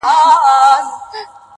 o له ګلفامه سره لاس کي ېې جام راوړ,